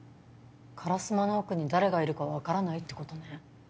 烏丸の奥に誰がいるかは分からないってことね。